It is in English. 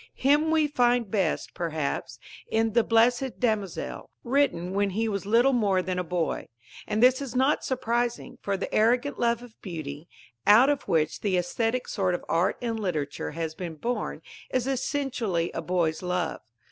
Him we find best, perhaps, in The Blessed Damozel, written when he was little more than a boy. And this is not surprising, for the arrogant love of beauty, out of which the aesthetic sort of art and literature has been born, is essentially a boy's love.